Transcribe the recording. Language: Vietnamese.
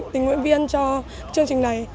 tình nguyện viên cho chương trình này